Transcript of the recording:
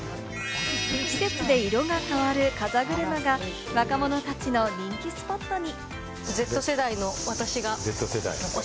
季節で色が変わる風車が若者たちの人気スポットに。